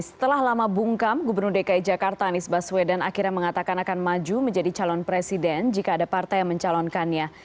setelah lama bungkam gubernur dki jakarta anies baswedan akhirnya mengatakan akan maju menjadi calon presiden jika ada partai yang mencalonkannya